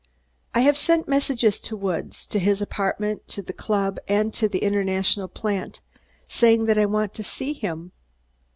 "I have sent messages to Woods, to his apartment, to the club and to the International plant, saying that I want to see him.